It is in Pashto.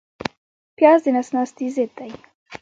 پیاز د نس ناستي ضد دی